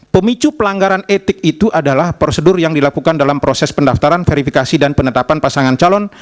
pemicu pelanggaran etik itu adalah prosedur yang dilakukan dalam proses pendaftaran verifikasi dan penetapan pasangan calon